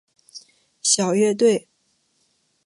小乐队。